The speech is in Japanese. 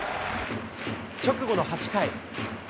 直後の８回。